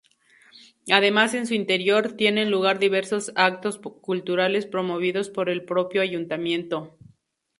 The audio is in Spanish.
Además en su interior, tienen lugar diversos actos culturales promovidos por el propio ayuntamiento.